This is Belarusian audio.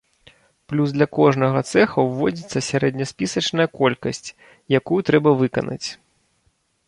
Плюс для кожнага цэха ўводзіцца сярэдняспісачная колькасць, якую трэба выканаць.